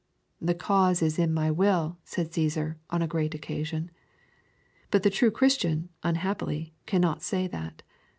'The cause is in my will,' said Caesar, on a great occasion. But the true Christian, unhappily, cannot say that.